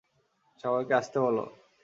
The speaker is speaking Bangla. সবাইকে আসতে বল।